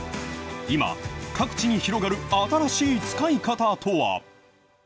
今、各地に広がる新しい使い方とは。